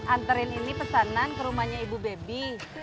anterin ini pesanan ke rumahnya ibu baby